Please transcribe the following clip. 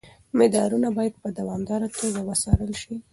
مدارونه باید په دوامداره توګه وڅارل شي.